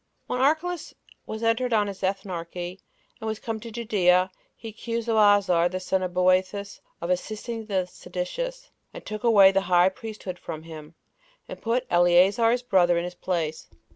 1. When Archelaus was entered on his ethnarchy, and was come into Judea, he accused Joazar, the son of Boethus, of assisting the seditious, and took away the high priesthood from him, and put Eleazar his brother in his place.